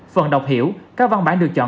phần đọc hiểu các văn bản được chọn